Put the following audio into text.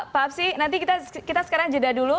pak absi nanti kita sekarang jeda dulu